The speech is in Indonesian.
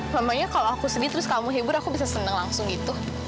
mamanya kalau aku sedih terus kamu hibur aku bisa seneng langsung gitu